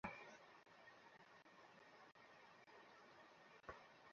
ভাবেন, বাচ্চারা এসব নিয়ে ব্যস্ত থাকলে তাঁরা ঠিকঠাকমতো ঘরের কাজগুলো সারতে পারবেন।